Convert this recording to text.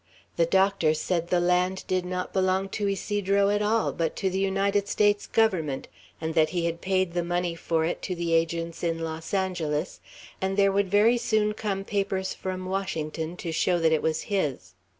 The Doctor said the land did not belong to Ysidro at all, but to the United States Government; and that he had paid the money for it to the agents in Los Angeles, and there would very soon come papers from Washington, to show that it was his.